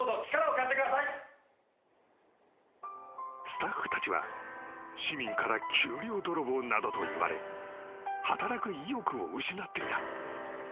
［スタッフたちは市民から給料泥棒などといわれ働く意欲を失っていた］